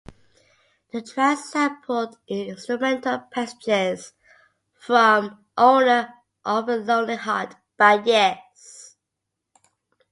The track sampled instrumental passages from "Owner of a Lonely Heart" by Yes.